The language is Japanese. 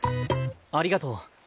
ありがとう。